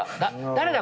「誰だ？